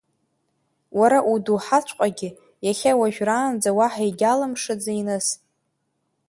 Уара удоуҳаҵәҟьагьы иахьа уажәраанӡа уаҳа егьалымшаӡеи нас?